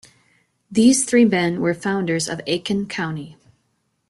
These three men were founders of Aiken County.